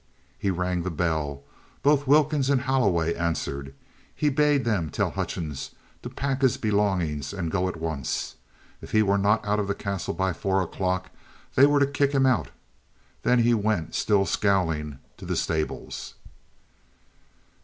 He rang the bell. Both Wilkins and Holloway answered it. He bade them tell Hutchings to pack his belongings and go at once. If he were not out of the castle by four o'clock, they were to kick him out. Then he went, still scowling, to the stables.